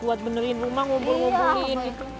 buat benerin rumah ngobrol ngobrolin